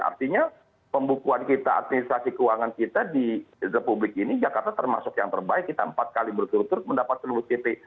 artinya pembukuan kita administrasi keuangan kita di republik ini jakarta termasuk yang terbaik kita empat kali berturut turut mendapat seluruh titik